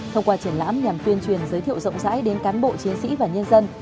thông qua triển lãm nhằm tuyên truyền giới thiệu rộng rãi đến cán bộ chiến sĩ và nhân dân